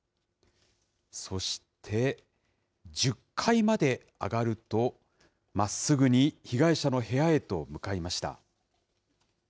そして１０階まで上がると、まっすぐに被害者の部屋へと向かいました。